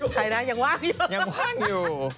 ใครนะยังว่างอยู่